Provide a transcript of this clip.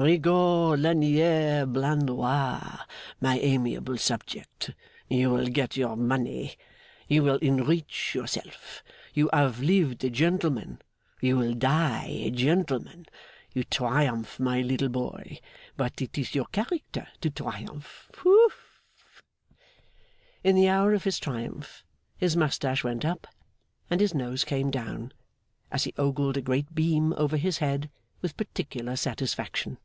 Rigaud Lagnier Blandois, my amiable subject, you will get your money. You will enrich yourself. You have lived a gentleman; you will die a gentleman. You triumph, my little boy; but it is your character to triumph. Whoof!' In the hour of his triumph, his moustache went up and his nose came down, as he ogled a great beam over his head with particular satisfaction.